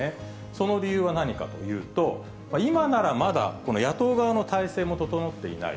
その理由は何かというと、今ならまだ、野党側の体制も整っていない。